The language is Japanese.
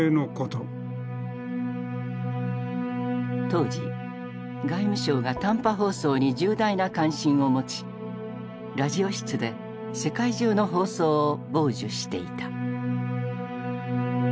当時外務省が短波放送に重大な関心を持ちラジオ室で世界中の放送を傍受していた。